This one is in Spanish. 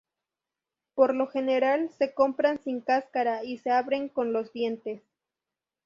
Por lo general se compran sin cáscara y se abren con los dientes.